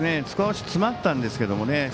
少し詰まったんですけどね